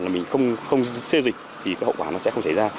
mình không xê dịch thì cái hậu quả nó sẽ không xảy ra